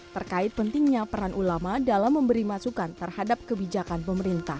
terkait pentingnya peran ulama dalam memberi masukan terhadap kebijakan pemerintah